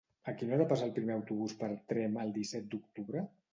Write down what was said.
A quina hora passa el primer autobús per Tremp el disset d'octubre?